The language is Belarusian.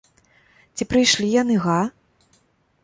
Ці прыйшлі яны, га?